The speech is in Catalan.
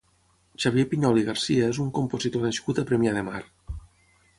Xavier Piñol i Garcia és un compositor nascut a Premià de Mar.